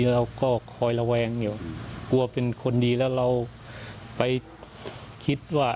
เราก็คอยระแวงอยู่กลัวเป็นคนดีแล้วเราไปคิดว่า